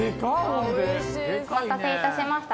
お待たせいたしました。